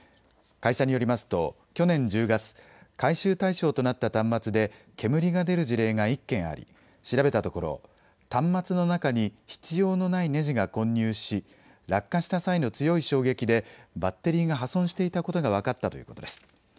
会社によりますと去年１０月、回収対象となった端末で煙が出る事例が１件あり調べたところ、端末の中に必要のないネジが混入し落下した際の強い衝撃でバッテリーが破損していたことが分かったということです。